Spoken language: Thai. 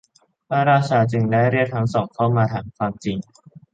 พระราชาจึงได้เรียกทั้งสองเข้ามาถามความจริง